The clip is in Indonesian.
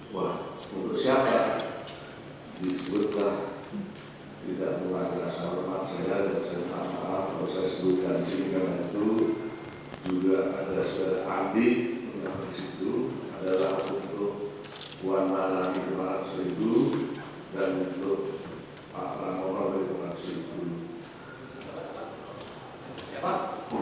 wah untuk siapa disebutlah tidak memadilkan sama sama saya dan saya tak maaf kalau saya sebutkan disini